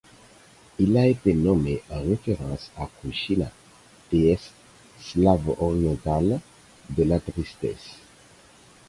Il a été nommé en référence à Kruchina, déesse slavo-orientale de la tristesse.